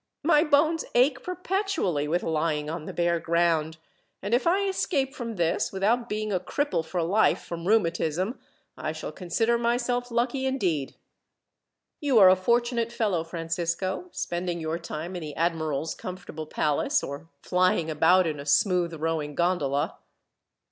My bones ache perpetually with lying on the bare ground, and if I escape from this, without being a cripple for life from rheumatism, I shall consider myself lucky, indeed. You are a fortunate fellow, Francisco; spending your time in the admiral's comfortable palace, or flying about in a smooth rowing gondola!"